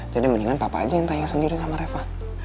jadi mendingan papa aja yang tanya sendiri sama reva